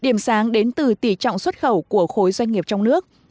điểm sáng đến từ tỷ trọng xuất khẩu của khối doanh nghiệp trong nước